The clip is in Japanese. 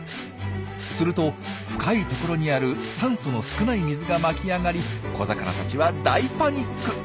すると深いところにある酸素の少ない水が巻き上がり小魚たちは大パニック！